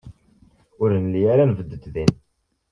Ur nelli ara nebded din.